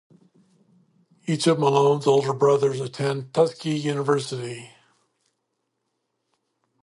Each of Malone's older brothers attended Tuskegee University.